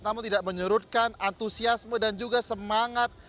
namun tidak menyerutkan antusiasme dan juga semangat